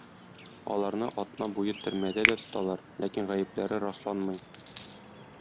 Аларны атна буе төрмәдә дә тоталар, ләкин гаепләре расланмый.